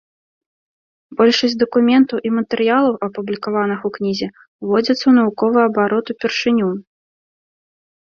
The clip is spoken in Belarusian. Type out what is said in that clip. Большасць дакументаў і матэрыялаў, апублікаваных у кнізе, уводзяцца ў навуковы абарот упершыню.